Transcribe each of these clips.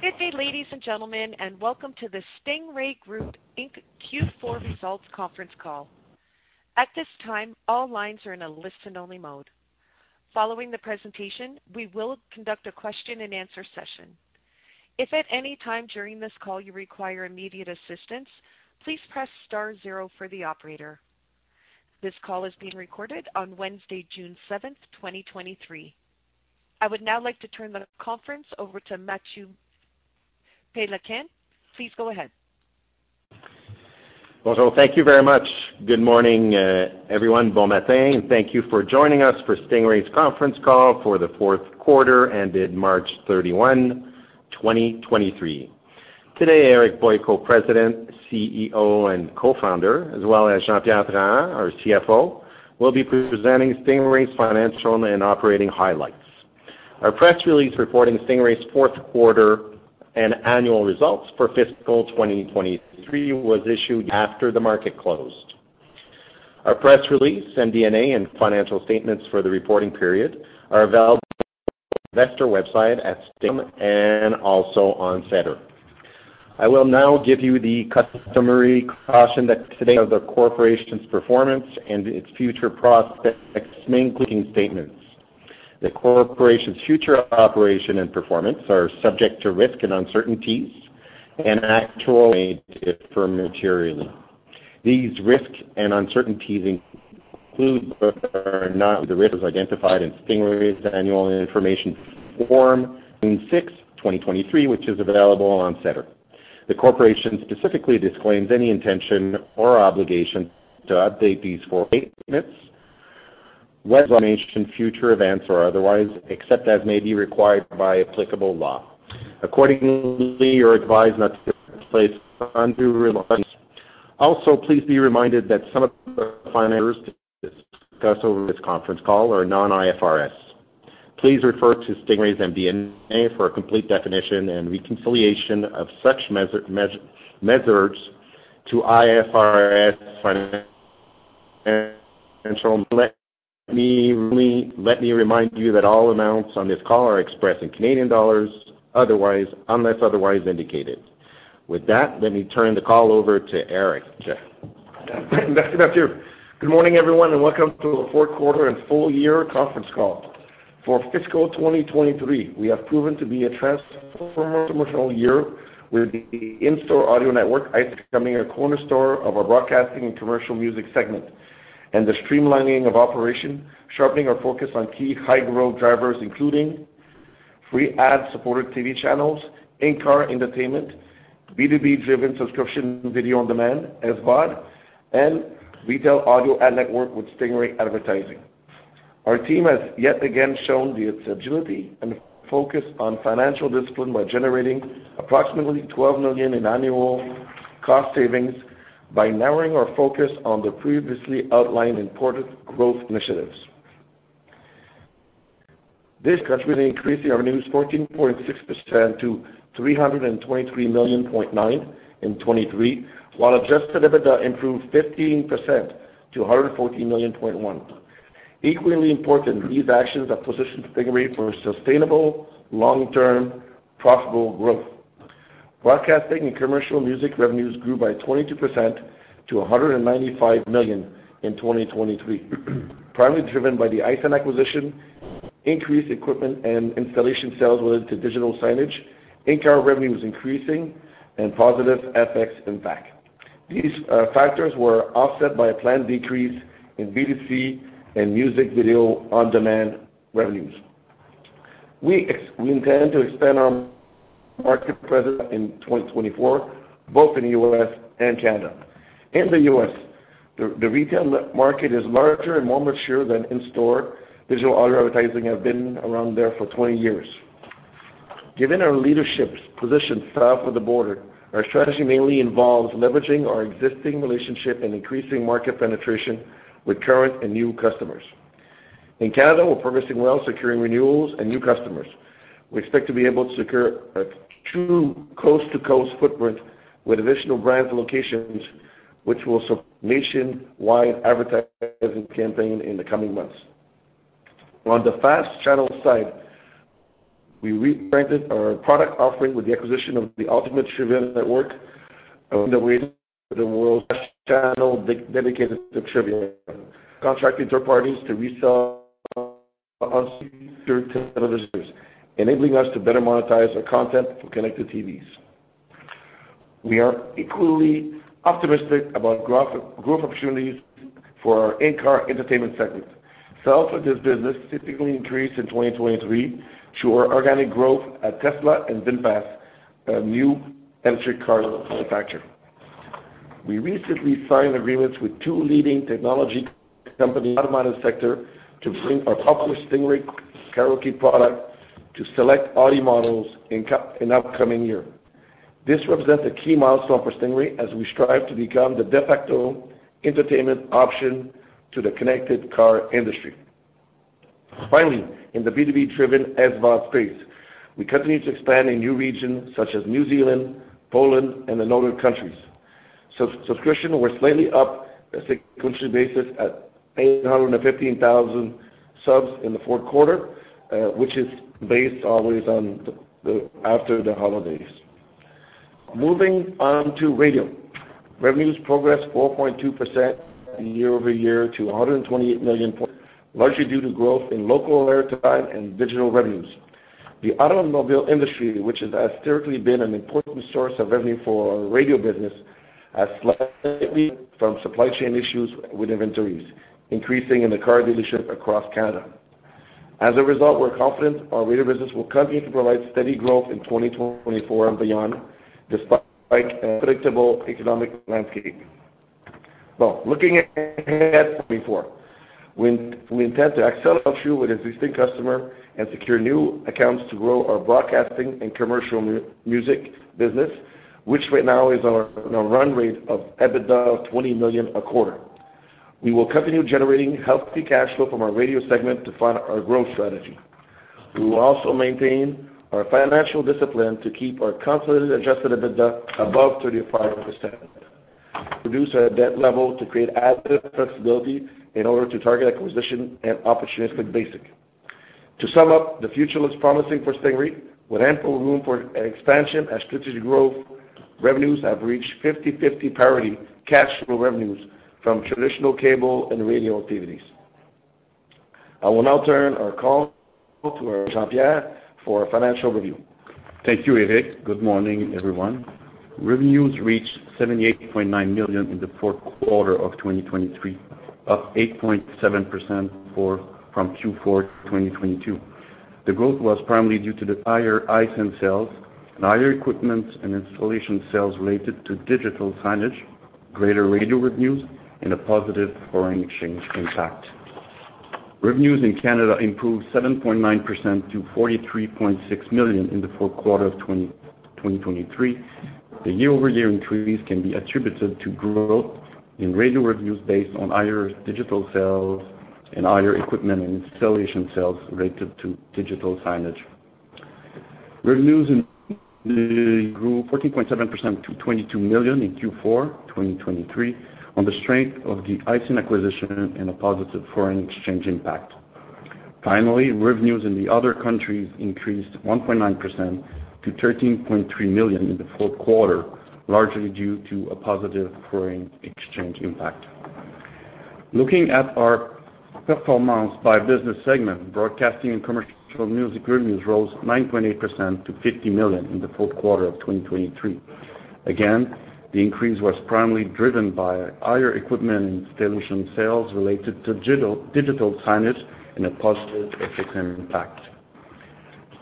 Good day, ladies and gentlemen, welcome to the Stingray Group Inc Q4 Results Conference Call. At this time, all lines are in a listen-only mode. Following the presentation, we will conduct a question-and-answer session. If at any time during this call you require immediate assistance, please press star zero for the operator. This call is being recorded on Wednesday, June 7th, 2023. I would now like to turn the conference over to Mathieu Péloquin. Please go ahead. Thank you very much. Good morning, everyone. Thank you for joining us for Stingray's Conference Call for the Fourth Quarter, ended March 31, 2023. Today, Eric Boyko, President, CEO, and Co-founder, as well as Jean-Pierre Trahan, our CFO, will be presenting Stingray's financial and operating highlights. Our press release reporting Stingray's fourth quarter and annual results for fiscal 2023 was issued after the market closed. Our press release, MD&A, and financial statements for the reporting period are available on the Investor website at Stingray and also on SEDAR. I will now give you the customary caution that today of the corporation's performance and its future prospects, mainly including statements. The corporation's future operation and performance are subject to risks and uncertainties, actually, differ materially. These risks and uncertainties include, but are not the risks identified in Stingray's annual information form, June 6th, 2023, which is available on SEDAR. The corporation specifically disclaims any intention or obligation to update these four statements, whether information, future events or otherwise, except as may be required by applicable law. Accordingly, you're advised not to place undue reliance. Also, please be reminded that some of the financials discussed over this conference call are non-IFRS. Please refer to Stingray's MD&A for a complete definition and reconciliation of such measures to IFRS Financial. Let me remind you that all amounts on this call are expressed in Canadian dollars, unless otherwise indicated. With that, let me turn the call over to Eric. Merci Mathieu. Good morning, everyone, and welcome to the fourth quarter and full year conference call. For fiscal 2023, we have proven to be a transformational year, with the InStore Audio Network, ISAN, becoming a cornerstone of our broadcasting and commercial music segment, and the streamlining of operation, sharpening our focus on key high-growth drivers, including free ad-supported TV channels, in-car entertainment, B2B-driven subscription video on demand, SVOD, and retail audio ad network with Stingray Advertising. Our team has yet again shown its agility and focus on financial discipline by generating approximately 12 million in annual cost savings, by narrowing our focus on the previously outlined important growth initiatives. This contributed to increasing our revenues 14.6% to 323.9 million in 2023, while adjusted EBITDA improved 15% to 114.1 million. Equally important, these actions have positioned Stingray for sustainable, long-term, profitable growth. Broadcasting and commercial music revenues grew by 22% to $195 million in 2023, primarily driven by the ISAN acquisition, increased equipment and installation sales related to digital signage, in-car revenues increasing and positive FX impact. These factors were offset by a planned decrease in B2C and music video on demand revenues. We intend to expand our market presence in 2024, both in the U.S. and Canada. In the U.S., the retail market is larger and more mature than in-store. Digital audio advertising have been around there for 20 years. Given our leadership's position south of the border, our strategy mainly involves leveraging our existing relationship and increasing market penetration with current and new customers. In Canada, we're progressing well, securing renewals and new customers. We expect to be able to secure a true coast-to-coast footprint with additional brand locations, which will serve nationwide advertising campaign in the coming months. We are the world's FAST channel dedicated to trivia, contracting third parties to resell on certain visitors, enabling us to better monetize our content for connected TVs. We are equally optimistic about growth opportunities for our in-car entertainment segments. Sales of this business typically increased in 2023 through our organic growth at Tesla and VinFast, a new electric car manufacturer. We recently signed agreements with two leading technology companies, automotive sector, to bring our popular Stingray Karaoke product to select Audi models in the upcoming year. This represents a key milestone for Stingray as we strive to become the de facto entertainment option to the connected car industry. In the B2B-driven SVOD space, we continue to expand in new regions such as New Zealand, Poland, and the Northern countries. Subscription were slightly up a sequential basis at 815,000 subs in the fourth quarter, which is based always on the after the holidays. Moving on to radio. Revenues progressed 4.2% year-over-year to 128 million, largely due to growth in local airtime and digital revenues. The automobile industry, which has historically been an important source of revenue for our radio business, has slightly from supply chain issues with inventories increasing in the car dealership across Canada. As a result, we're confident our radio business will continue to provide steady growth in 2024 and beyond, despite unpredictable economic landscape. Looking at 2024, we intend to excel with existing customer and secure new accounts to grow our broadcasting and commercial music business, which right now is on a, on a run rate of EBITDA of 20 million a quarter. We will continue generating healthy cash flow from our radio segment to fund our growth strategy. We will also maintain our financial discipline to keep our consolidated adjusted EBITDA above 35%. Reduce our debt level to create asset flexibility in order to target acquisition and opportunistic basic. To sum up, the future looks promising for Stingray, with ample room for expansion and strategic growth. Revenues have reached 50/50 parity, cash flow revenues from traditional cable and radio activities. I will now turn our call to our Jean-Pierre for a financial review. Thank you, Eric. Good morning, everyone. Revenues reached 78.9 million in Q4 2023, up 8.7% from Q4 2022. The growth was primarily due to the higher ISAN sales and higher equipment and installation sales related to digital signage, greater radio reviews, and a positive foreign exchange impact. Revenues in Canada improved 7.9% to 43.6 million in the fourth quarter of 2023. The year-over-year increase can be attributed to growth in radio reviews based on higher digital sales and higher equipment and installation sales related to digital signage. Revenues in grew 14.7% to $22 million in Q4 2023, on the strength of the ISAN acquisition and a positive foreign exchange impact. Revenues in the other countries increased 1.9% to 13.3 million in the fourth quarter, largely due to a positive foreign exchange impact. Looking at our performance by business segment, broadcasting and commercial music revenues rose 9.8% to 50 million in the fourth quarter of 2023. The increase was primarily driven by higher equipment and installation sales related to digital signage and a positive effect impact.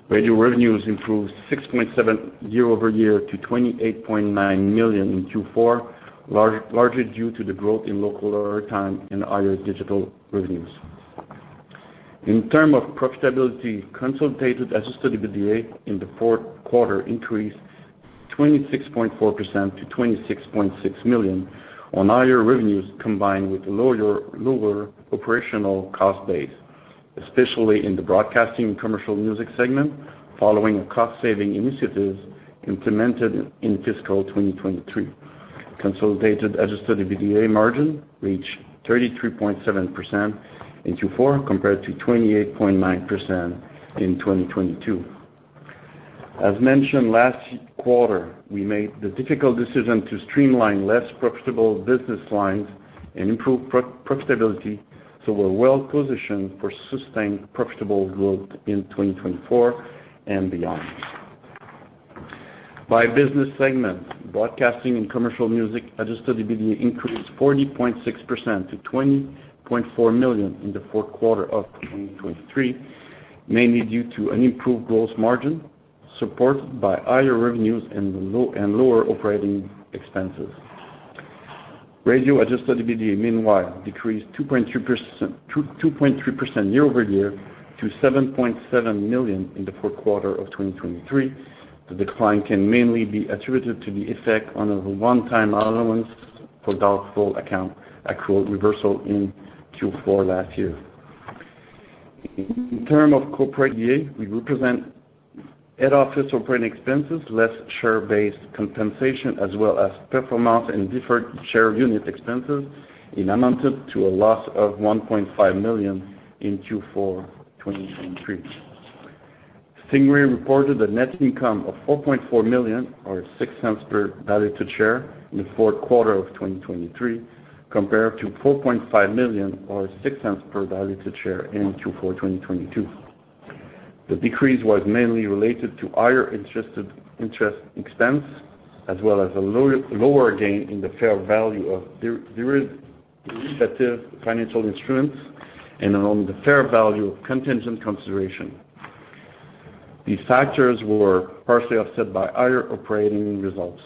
Radio revenues improved 6.7% year-over-year to 28.9 million in Q4, largely due to the growth in local airtime and higher digital revenues. In term of profitability, consolidated adjusted EBITDA in the fourth quarter increased 26.4% to 26.6 million on higher revenues, combined with a lower operational cost base, especially in the broadcasting commercial music segment, following cost-saving initiatives implemented in fiscal 2023. Consolidated adjusted EBITDA margin reached 33.7% in Q4, compared to 28.9% in 2022. As mentioned, last quarter, we made the difficult decision to streamline less profitable business lines and improve profitability, we're well positioned for sustained profitable growth in 2024 and beyond. By business segment, broadcasting and commercial music, adjusted EBITDA increased 40.6% to 20.4 million in the fourth quarter of 2023, mainly due to an improved gross margin, supported by higher revenues and lower operating expenses. Radio adjusted EBITDA, meanwhile, decreased 2.3% year-over-year to 7.7 million in the fourth quarter of 2023. The decline can mainly be attributed to the effect on a one-time allowance for doubtful account, actual reversal in Q4 last year. In term of corporate EA, we represent head office operating expenses, less share-based compensation, as well as performance and different share unit expenses, amounted to a loss of 1.5 million in Q4 2023. Stingray reported a net income of 4.4 million or 0.06 per value to share in the fourth quarter of 2023, compared to 4.5 million or 0.06 per value to share in Q4 2022. The decrease was mainly related to higher interest expense, as well as a lower gain in the fair value of derivative financial instruments and on the fair value of contingent consideration. These factors were partially offset by higher operating results.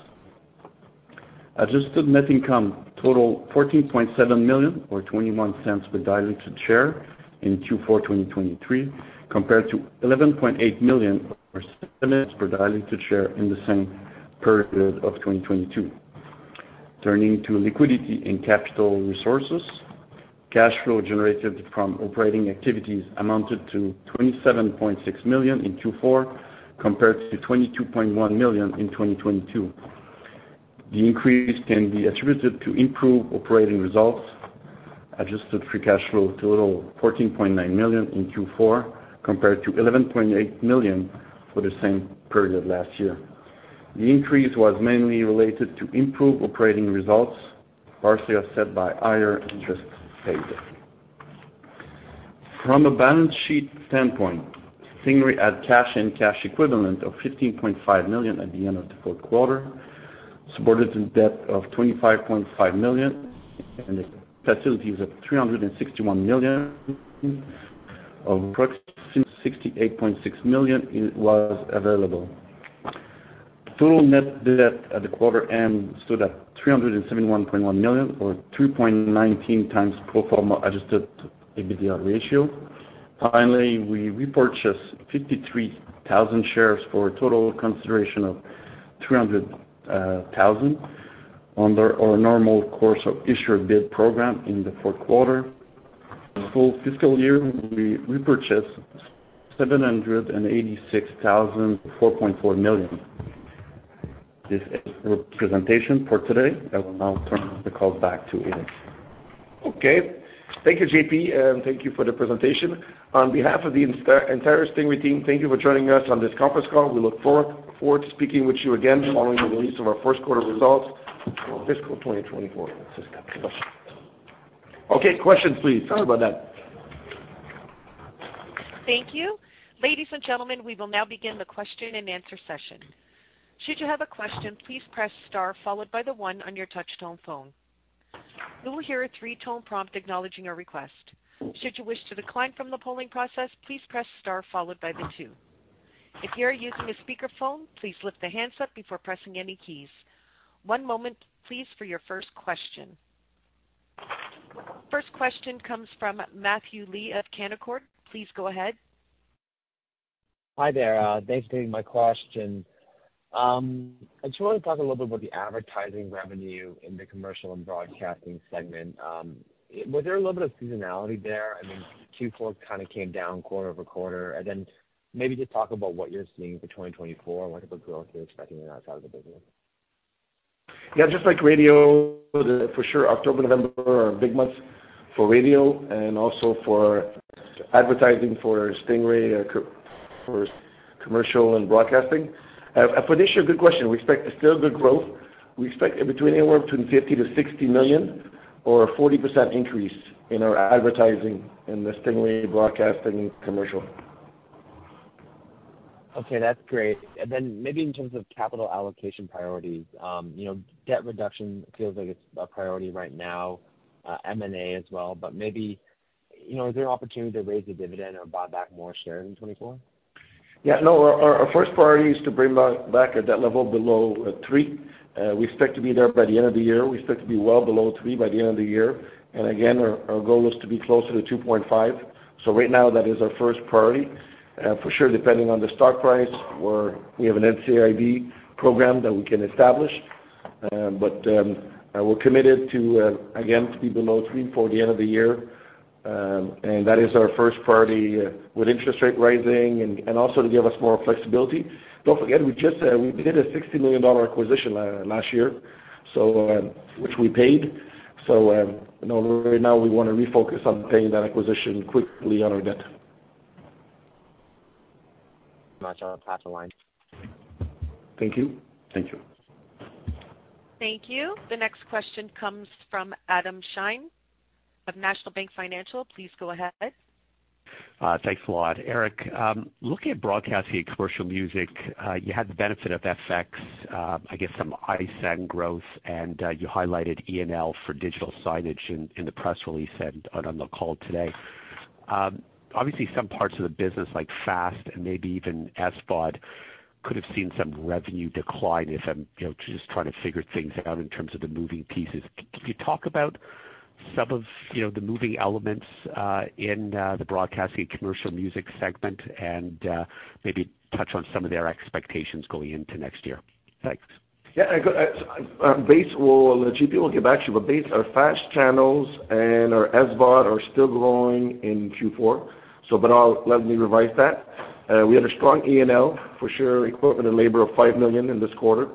Adjusted net income totaled 14.7 million or 0.21 per diluted share in Q4 2023, compared to 11.8 million per diluted share in the same period of 2022. Turning to liquidity and capital resources. Cash flow generated from operating activities amounted to 27.6 million in Q4, compared to 22.1 million in 2022. The increase can be attributed to improved operating results. Adjusted free cash flow totaled 14.9 million in Q4, compared to 11.8 million for the same period last year. The increase was mainly related to improved operating results, partially offset by higher interest paid. From a balance sheet standpoint, Stingray had cash and cash equivalent of 15.5 million at the end of the fourth quarter, supported a debt of 25.5 million, and facilities of 361 million, of which 68.6 million was available. Total net debt at the quarter end stood at 371.1 million, or 2.19x pro forma adjusted EBITDA ratio. We repurchased 53,000 shares for a total consideration of 300 thousand on our normal course issuer bid program in the fourth quarter. For full fiscal year, we repurchased 786,000, CAD 4.4 million. This ends the presentation for today. I will now turn the call back to Eric. Okay. Thank you, JP, and thank you for the presentation. On behalf of the entire Stingray team, thank you for joining us on this conference call. We look forward to speaking with you again following the release of our first quarter results for fiscal 2024. Okay, questions, please. Sorry about that. Thank you. Ladies and gentlemen, we will now begin the question-and-answer session. Should you have a question, please press star followed by the one on your touchtone phone. You will hear a three-tone prompt acknowledging your request. Should you wish to decline from the polling process, please press star followed by the two. If you are using a speakerphone, please lift the handset before pressing any keys. One moment, please, for your first question. First question comes from Matthew Lee of Canaccord. Please go ahead. Hi there, thanks for taking my question. I just want to talk a little bit about the advertising revenue in the commercial and broadcasting segment. Was there a little bit of seasonality there? I mean, Q4 kind of came down quarter-over-quarter. Maybe just talk about what you're seeing for 2024 and what type of growth you're expecting on that side of the business. Just like radio, for sure, October, November are big months for radio and also for advertising for Stingray, for commercial and broadcasting. For this year, good question. We expect still good growth. We expect between anywhere between 50 million-60 million or a 40% increase in our advertising in the Stingray broadcasting commercial. Okay, that's great. Maybe in terms of capital allocation priorities, you know, debt reduction feels like it's a priority right now, M&A as well. Maybe, you know, is there an opportunity to raise the dividend or buy back more shares in 2024? Yeah, no, our first priority is to bring back at that level below 3. We expect to be there by the end of the year. We expect to be well below three by the end of the year. Again, our goal is to be closer to 2.5. Right now, that is our first priority. For sure, depending on the stock price, or we have an NCIB program that we can establish. We're committed to again, to be below three for the end of the year. That is our first priority with interest rate rising and also to give us more flexibility. Don't forget, we just did a $60 million acquisition last year, which we paid. Right now we want to refocus on paying that acquisition quickly on our debt. Thanks so much. I'll pass the line. Thank you. Thank you. Thank you. The next question comes from Adam Shine of National Bank Financial. Please go ahead. [audiodistortion] Yeah, well, JP will get back to you, our FAST channels and our SVOD are still growing in Q4. Let me revise that. We had a strong ENL, for sure, equipment and labor of 5 million in this quarter.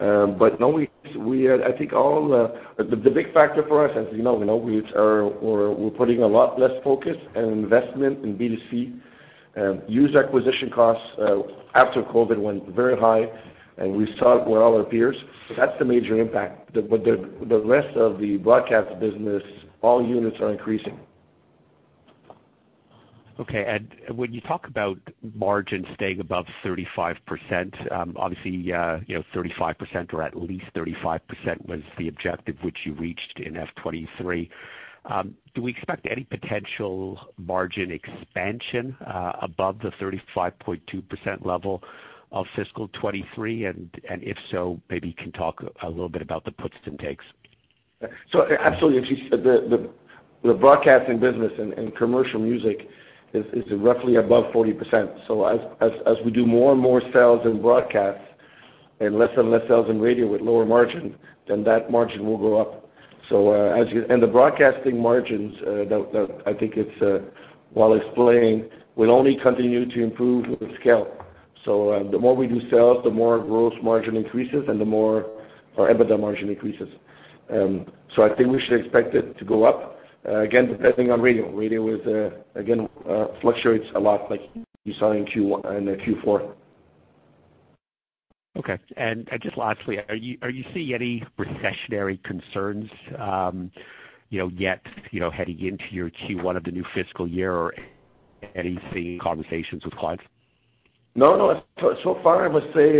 No, we had The big factor for us, as you know, we're putting a lot less focus and investment in B2C. User acquisition costs after COVID went very high, we saw it with all our peers. That's the major impact. The rest of the broadcast business, all units are increasing. Okay. When you talk about margin staying above 35%, obviously, you know, 35% or at least 35% was the objective which you reached in F23. Do we expect any potential margin expansion above the 35.2% level of fiscal 2023? If so, maybe you can talk a little bit about the puts and takes. Absolutely, the broadcasting business and commercial music is roughly above 40%. As we do more and more sales in broadcast- and less and less sales in radio with lower margin, that margin will go up. The broadcasting margins that I think it's while explaining, will only continue to improve with scale. The more we do sales, the more gross margin increases and the more our EBITDA margin increases. I think we should expect it to go up again, depending on radio. Radio is again fluctuates a lot like you saw in Q4. Okay. Just lastly, are you seeing any recessionary concerns, you know, yet, you know, heading into your Q1 of the new fiscal year, or anything, conversations with clients? No, no. So far I must say,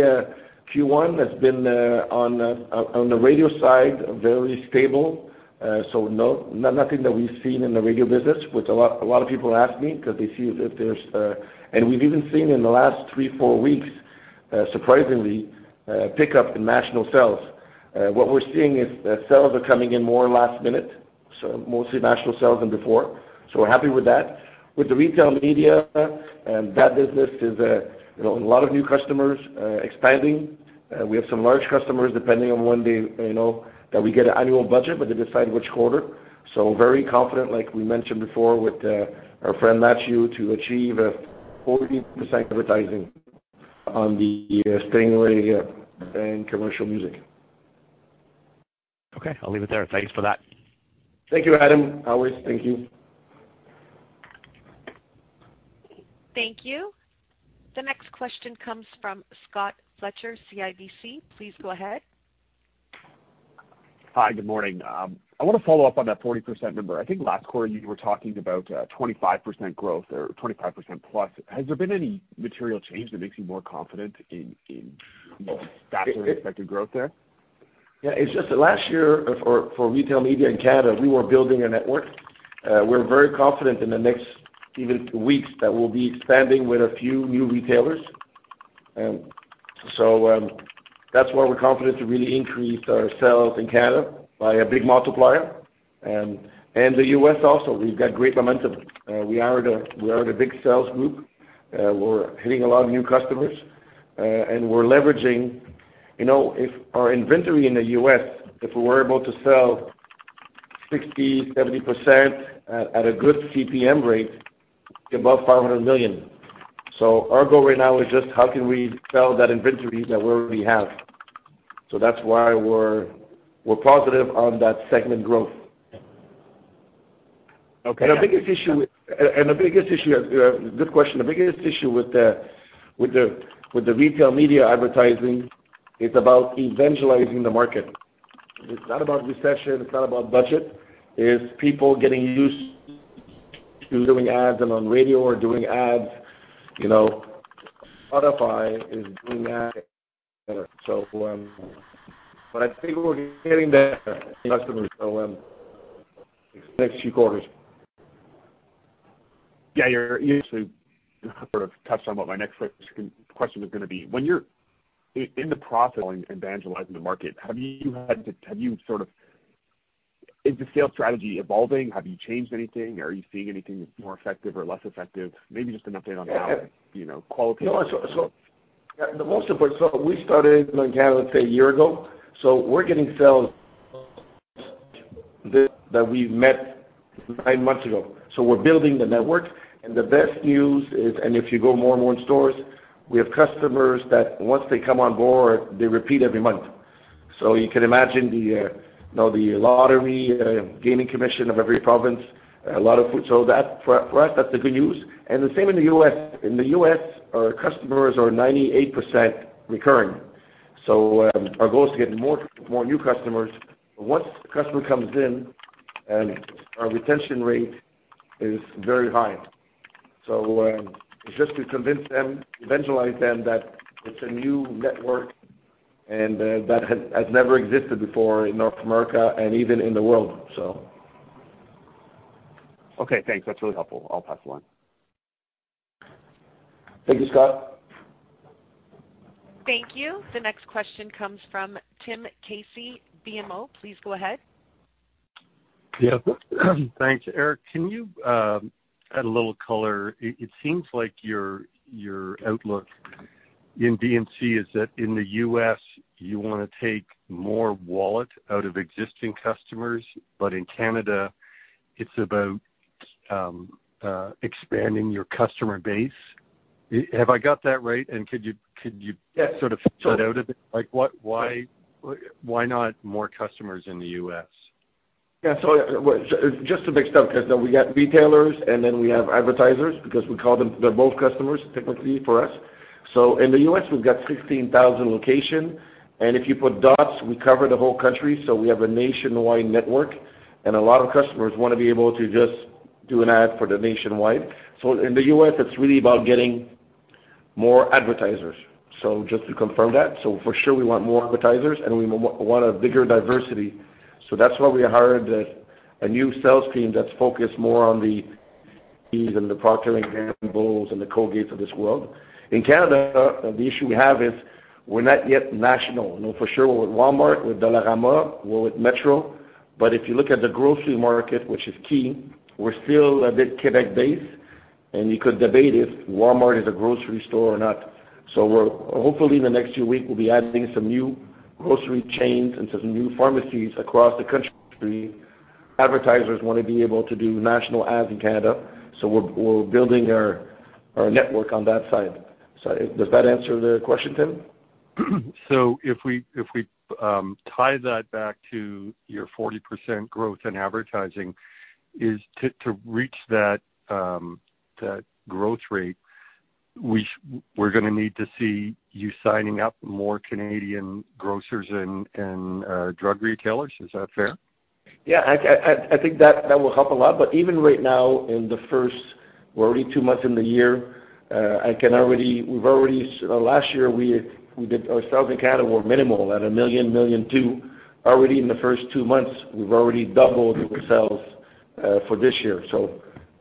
Q1 has been on the radio side, very stable. Nothing that we've seen in the radio business, which a lot of people ask me because they see that there's. We've even seen in the last three, four weeks, surprisingly, pick up in national sales. What we're seeing is that sales are coming in more last minute, mostly national sales than before, we're happy with that. With the retail media, that business is, you know, a lot of new customers, expanding. We have some large customers, depending on when they, you know, that we get an annual budget, they decide which quarter. Very confident, like we mentioned before, with our friend Matthew, to achieve a 40% advertising on the Stingray and commercial music. Okay, I'll leave it there. Thanks for that. Thank you, Adam. Always, thank you. Thank you. The next question comes from Scott Fletcher, CIBC. Please go ahead. Hi, good morning. I wanna follow up on that 40% number. I think last quarter you were talking about 25% growth or 25% plus. Has there been any material change that makes you more confident in faster expected growth there? Yeah, it's just that last year for retail media in Canada, we were building a network. We're very confident in the next even weeks, that we'll be expanding with a few new retailers. That's why we're confident to really increase our sales in Canada by a big multiplier. The U.S. also, we've got great momentum. We are the big sales group. We're hitting a lot of new customers, and we're leveraging, you know, if our inventory in the U.S., if we were able to sell 60%, 70% at a good CPM rate, above $500 million. Our goal right now is just how can we sell that inventory that we already have? That's why we're positive on that segment growth. Okay. Good question. The biggest issue with the retail media advertising, is about evangelizing the market. It's not about recession, it's not about budget, it's people getting used to doing ads and on radio or doing ads, you know, Spotify is doing that. But I think we're getting there, customers, next few quarters. Yeah, you're, you actually sort of touched on what my next question was gonna be. When you're in the process of evangelizing the market, have you sort of? Is the sales strategy evolving? Have you changed anything? Are you seeing anything more effective or less effective? Maybe just an update on that, you know, qualitatively. The most important, we started in Canada 1 year ago. We're getting sales that we met 9 months ago. We're building the network, the best news is, if you go more and more in stores, we have customers that once they come on board, they repeat every month. You can imagine the, you know, the lottery gaming commission of every province, a lot of food. That, for us, that's the good news. The same in the U.S. In the U.S., our customers are 98% recurring. Our goal is to get more new customers. Once the customer comes in and our retention rate is very high, so, just to convince them, evangelize them, that it's a new network and, that has never existed before in North America and even in the world, so. Okay, thanks. That's really helpful. I'll pass along. Thank you, Scott. Thank you. The next question comes from Tim Casey, BMO. Please go ahead. Yeah, thanks. Eric, can you add a little color? It seems like your outlook in D&C is that in the U.S., you want to take more wallet out of existing customers, but in Canada, it's about expanding your customer base. Have I got that right? could you. Yeah. sort of fill that out a bit? Like, what, why not more customers in the U.S.? Yeah. Just to mix up, because we got retailers and then we have advertisers, because we call them, they're both customers, technically, for us. In the U.S., we've got 16,000 location, and if you put dots, we cover the whole country, so we have a nationwide network, and a lot of customers wanna be able to just do an ad for the nationwide. In the U.S., it's really about getting more advertisers. Just to confirm that, for sure, we want more advertisers and we want a bigger diversity. That's why we hired a new sales team that's focused more on the keys and the Procter & Gamble and the Colgates of this world. In Canada, the issue we have is we're not yet national. You know, for sure, we're with Walmart, with Dollarama, we're with Metro. If you look at the grocery market, which is key, we're still a bit Quebec-based. You could debate if Walmart is a grocery store or not. We're, hopefully, in the next few weeks, we'll be adding some new grocery chains and some new pharmacies across the country. Advertisers wanna be able to do national ads in Canada. We're, we're building our network on that side. Does that answer the question, Tim? If we tie that back to your 40% growth in advertising, is to reach that growth rate, we're going to need to see you signing up more Canadian grocers and drug retailers. Is that fair? Yeah, I think that will help a lot. Even right now, in the first, we're already two months in the year, last year, we did our sales in Canada were minimal, at $1 million, $1.2 million. Already in the first two months, we've already doubled the sales for this year.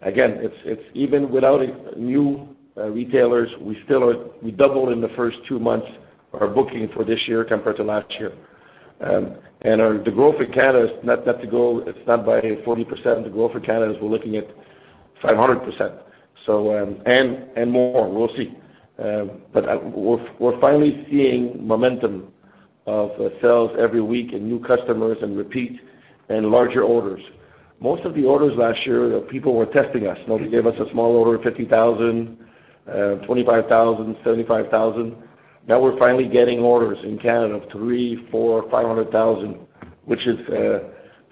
Again, it's even without new retailers, we doubled in the first two months, our booking for this year compared to last year. The growth in Canada is not to go, it's not by 40%. The growth in Canada is we're looking at 500%. And more, we'll see. We're finally seeing momentum of sales every week and new customers and repeat and larger orders. Most of the orders last year, people were testing us. You know, they gave us a small order of 50,000, 25,000, 75,000. Now we're finally getting orders in Canada of 300,000, 400,000, 500,000, which is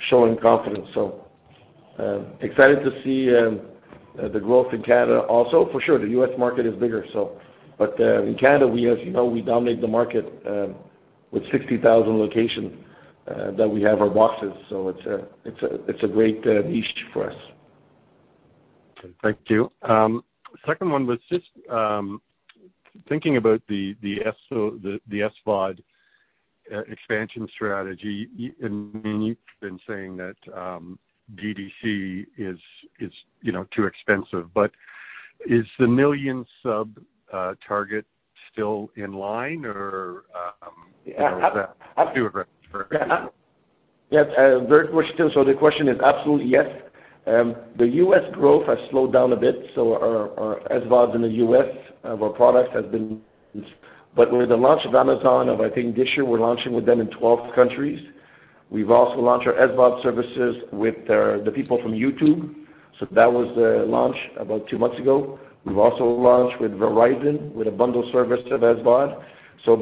showing confidence. Excited to see the growth in Canada also. For sure, the U.S. market is bigger. In Canada, we, as you know, we dominate the market with 60,000 locations that we have our boxes, so it's a great niche for us. Thank you. Second one was thinking about the SVOD expansion strategy. You've been saying that D&C is, you know, too expensive, but is the million sub target still in line or, you know, is that? Yes, great question. The question is absolutely, yes. The U.S. growth has slowed down a bit, so our SVOD in the U.S., our product has been... With the launch of Amazon, of I think this year, we're launching with them in 12 countries. We've also launched our SVOD services with the people from YouTube. That was the launch about two months ago. We've also launched with Verizon, with a bundle service of SVOD.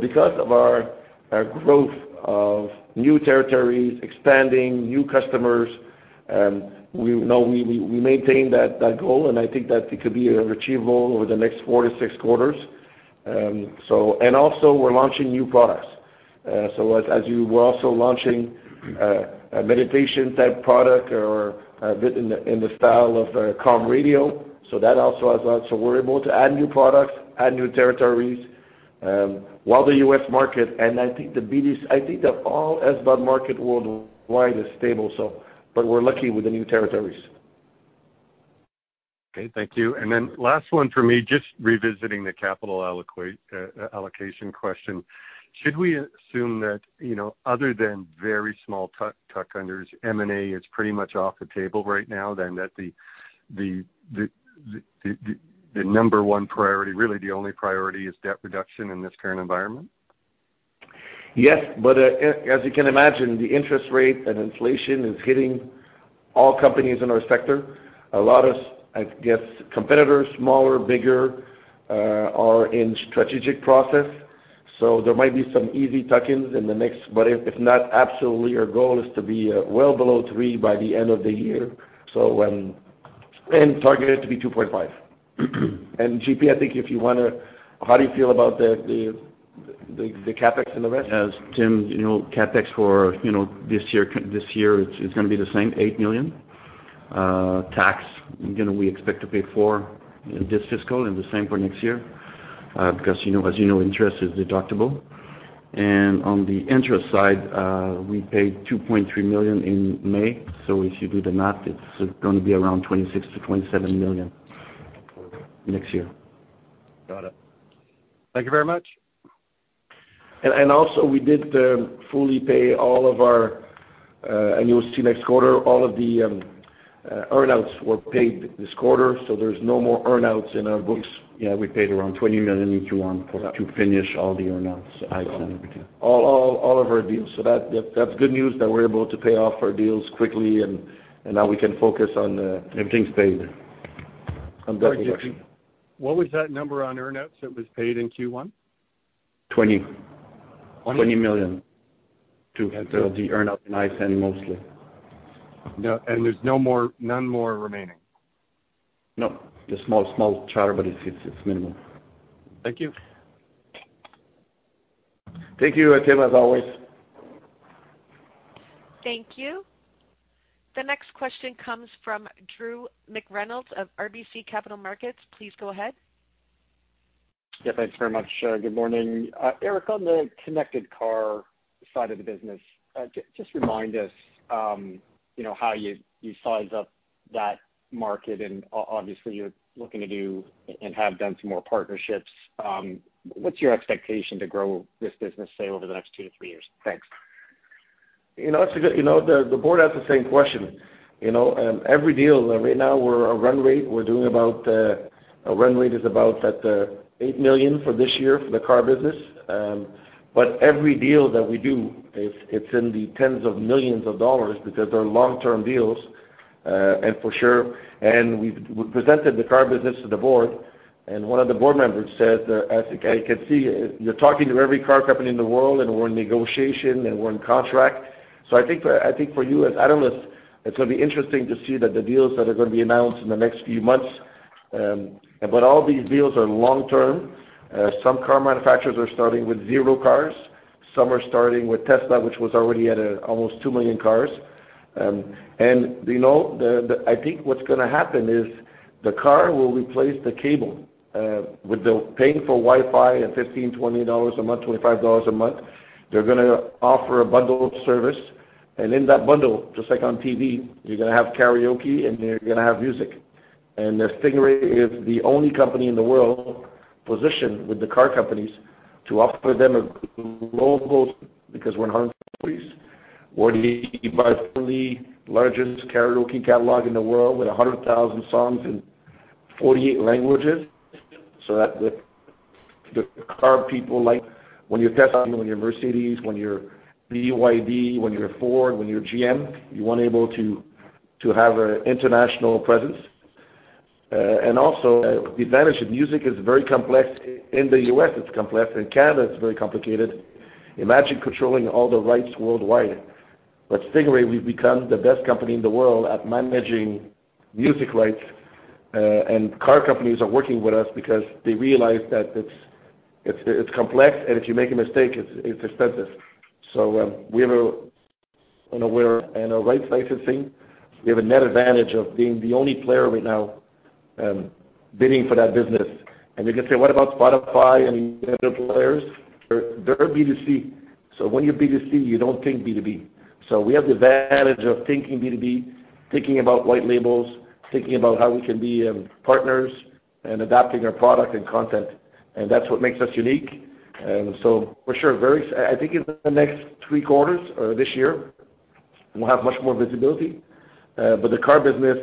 Because of our growth of new territories, expanding new customers, we know we maintain that goal, and I think that it could be achievable over the next four to six quarters. Also we're launching new products. As you, we're also launching a meditation-type product or a bit in the, in the style of Calm Radio. That also is, we're able to add new products, add new territories, while the U.S. market, and I think the B2B, I think that all SVOD market worldwide is stable, but we're lucky with the new territories. Okay, thank you. Last one for me, just revisiting the capital allocation question. Should we assume that, you know, other than very small tuck unders, M&A is pretty much off the table right now, then, that the number one priority, really, the only priority is debt reduction in this current environment? Yes, as you can imagine, the interest rate and inflation is hitting all companies in our sector. A lot of, I guess, competitors, smaller, bigger, are in strategic process, so there might be some easy tuck-ins. If not, absolutely, our goal is to be well below 3 by the end of the year. Targeted to be 2.5. JP, I think if you wanna, how do you feel about the CapEx and the rest? As Tim, CapEx for this year, it's gonna be the same, 8 million. Tax, again, we expect to pay CAD 4 million in this fiscal and the same for next year, because interest is deductible. On the interest side, we paid 2.3 million in May, so if you do the math, it's gonna be around 26 million-27 million next year. Got it. Thank you very much. Also we did fully pay all of our, and you'll see next quarter, all of the earnouts were paid this quarter, so there's no more earnouts in our books. Yeah, we paid around 20 million in Q1 to finish all the earnouts, ISAN. Correct All of our deals. That's good news that we're able to pay off our deals quickly, and now we can focus on. Everything's paid. On debt reduction. What was that number on earnouts that was paid in Q1? 20. On it? $20 million to the earnout in ISAN, mostly. No, there's no more, none more remaining? No. Just small charter, but it's minimal. Thank you. Thank you, Tim, as always. Thank you. The next question comes from Drew McReynolds of RBC Capital Markets. Please go ahead. Yeah, thanks very much. Good morning. Eric, on the connected car side of the business, just remind us, you know, how you size up that market, and obviously, you're looking to do and have done some more partnerships. What's your expectation to grow this business, say, over the next two to three years? Thanks. You know, the board asked the same question. You know, every deal, right now, we're a run rate. We're doing about 8 million for this year for the car business. Every deal that we do, it's in the tens of millions of CAD because they're long-term deals and for sure. We've presented the car business to the board, and one of the board members said, "I think I can see you're talking to every car company in the world, and we're in negotiation, and we're in contract." I think for you as analysts, it's gonna be interesting to see that the deals that are gonna be announced in the next few months. All these deals are long term. Some car manufacturers are starting with zero cars. Some are starting with Tesla, which was already at almost 2 million cars. You know, I think what's gonna happen is the car will replace the cable, with the paying for Wi-Fi at $15, $20 a month, $25 a month. They're gonna offer a bundle of service, and in that bundle, just like on TV, you're gonna have karaoke, and you're gonna have music. Stingray is the only company in the world positioned with the car companies to offer them a global, because we're in 100 countries, we're the largest karaoke catalog in the world, with 100,000 songs in 48 languages. The car people like when you're Tesla, when you're Mercedes-Benz, when you're BYD, when you're Ford, when you're GM, you want able to have a international presence. Also, the advantage of music is very complex. In the U.S., it's complex. In Canada, it's very complicated. Imagine controlling all the rights worldwide. Stingray, we've become the best company in the world at managing music rights, and car companies are working with us because they realize that it's complex, and if you make a mistake, it's expensive. We're in a right licensing. We have a net advantage of being the only player right now, bidding for that business. You can say, what about Spotify and other players? They're B2C. When you're B2C, you don't think B2B. We have the advantage of thinking B2B, thinking about white labels, thinking about how we can be partners and adapting our product and content, and that's what makes us unique. For sure, I think in the next three quarters this year, we'll have much more visibility. But the car business,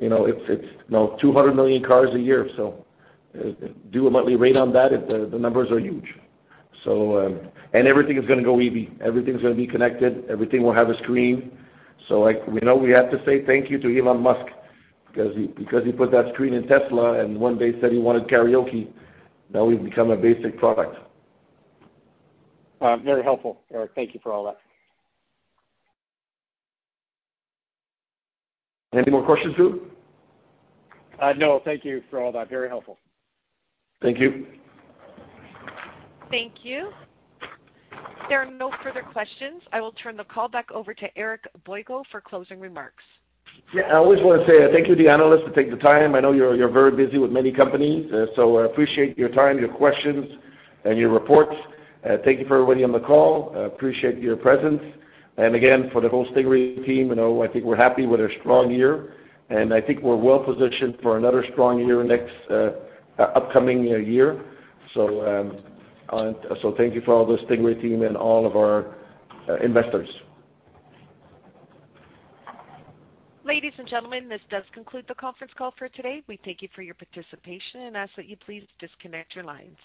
you know, it's now 200 million cars a year, so do a monthly rate on that, the numbers are huge. And everything is gonna go EV. Everything's gonna be connected, everything will have a screen. Like, we know we have to say thank you to Elon Musk because he put that screen in Tesla, and one day said he wanted karaoke, now we've become a basic product. Very helpful, Eric. Thank you for all that. Any more questions, Drew? No. Thank you for all that. Very helpful. Thank you. Thank you. There are no further questions. I will turn the call back over to Eric Boyko for closing remarks. Yeah, I always want to say thank you to the analysts to take the time. I know you're very busy with many companies, so I appreciate your time, your questions, and your reports. Thank you for everybody on the call. I appreciate your presence. Again, for the whole Stingray team, you know, I think we're happy with our strong year, and I think we're well positioned for another strong year next upcoming year. So thank you for all the Stingray team and all of our investors. Ladies and gentlemen, this does conclude the conference call for today. We thank you for your participation and ask that you please disconnect your lines.